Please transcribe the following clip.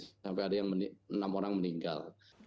sampai ada yang enam orang meninggal